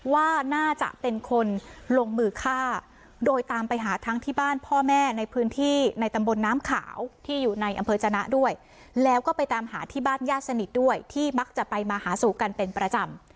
ว่าน่าจะเป็นคนลงมือฆ่าโดยตามไปหาทั้งที่บ้านพ่อแม่ในพื้นที่ในตำบลน้ำขาวที่อยู่ในอำเภอจนะด้วยแล้วก็ไปตามหาที่บ้านญาติสนิทด้วยที่มักจะไปมาหาสู่กันเป็นประจำ